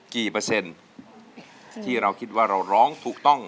เปอร์เซ็นต์ที่เราคิดว่าเราร้องถูกต้อง